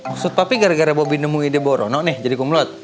maksud papi gara gara bobby nemu ide boro nih jadi kumlot